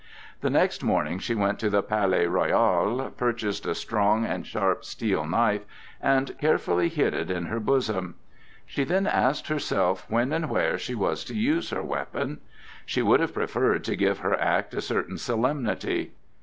The next morning she went to the Palais Royal, purchased a strong and sharp steel knife, and carefully hid it in her bosom. She then asked herself when and where she was to use her weapon. She would have preferred to give her act a certain solemnity.